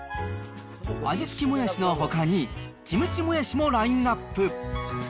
味付きもやしのほかに、キムチもやしもラインナップ。